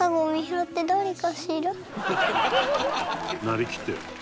「なりきってる」